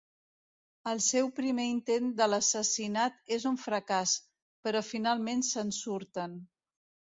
El seu primer intent de l'assassinat és un fracàs, però finalment se'n surten.